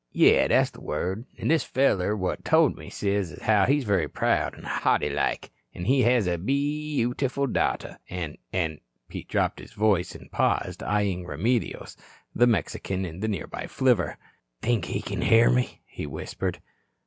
"Yes, that's the word. An' this feller what tol' me sez as how he's very proud and haughty like an' has a beyootiful daughter, an' an' " Pete dropped his voice, and paused, eyeing Remedios, the Mexican in the nearby flivver. "Think he kin hear me," he whispered.